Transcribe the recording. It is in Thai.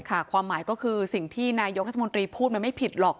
ความหมายก็คือสิ่งที่นายกรัฐมนตรีพูดมันไม่ผิดหรอก